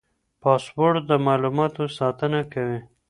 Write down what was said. پاسورډ د معلوماتو ساتنه کوي.